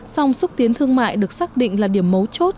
song xúc tiến thương mại được xác định là điểm mấu chốt